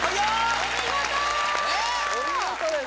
お見事です！